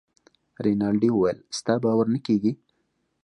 رینالډي وویل ستا باور نه کیږي.